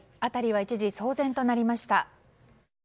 辺りは一時騒然となりました。